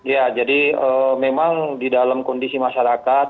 ya jadi memang di dalam kondisi masyarakat